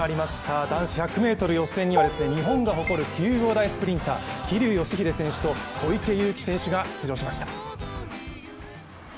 男子１００ｍ予選には日本が誇る９秒台スプリンター、桐生祥秀選手と小池祐貴選手が出場しました。